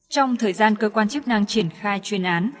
trong thời gian cơ quan chức năng triển khai chuyên án